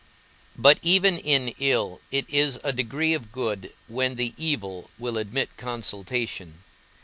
But even in ill it is a degree of good when the evil will admit consultation.